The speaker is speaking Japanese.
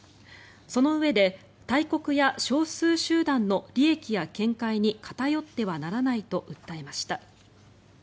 そのうえで大国や少数集団の利益や見解に偏ってはならないと訴えました。